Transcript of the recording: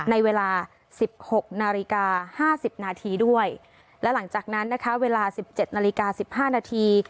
ในเวลาสิบหกนาฬิกาห้าสิบนาทีด้วยและหลังจากนั้นนะคะเวลาสิบเจ็ดนาฬิกาสิบห้านาที